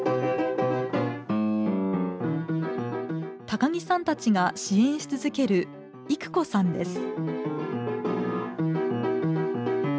高木さんたちが支援し続ける育子さんです。